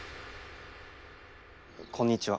こんにちは。